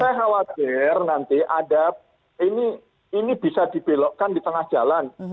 saya khawatir nanti ada ini bisa dibelokkan di tengah jalan